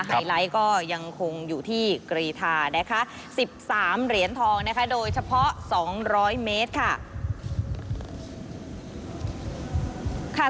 ไฮไลท์ก็ยังคงอยู่ที่กรีธานะคะ๑๓เหรียญทองนะคะโดยเฉพาะ๒๐๐เมตรค่ะ